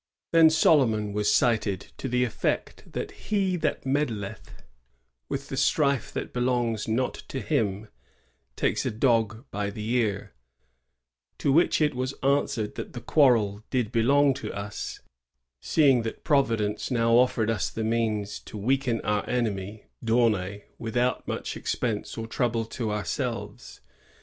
Then Solomon was cited to the effect that " he that med dleth with the strife that belongs not to him takes a dog by the ear; " to which it was answered that the quarrel did belong to us, seeing that Providence now offered us the means to weaken our enemy, D'Aunay, without much expense or trouble to ourselves.